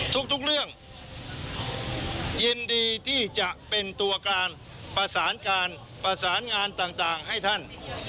ทุกเรื่องยินดีที่จะเป็นตัวการประสานการประสานงานต่างให้ท่าน